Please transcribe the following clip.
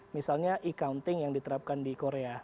misalnya e counting yang diterapkan di korea